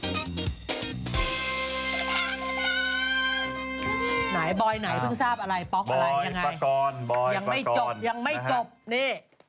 หน้าตัดน่าเกลียดมากเลย